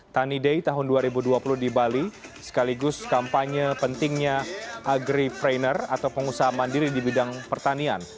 tani day tahun dua ribu dua puluh di bali sekaligus kampanye pentingnya agriprener atau pengusaha mandiri di bidang pertanian